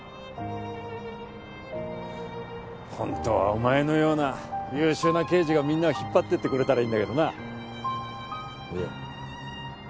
本当はお前のような優秀な刑事がみんなを引っ張ってってくれたらいいんだけどないえ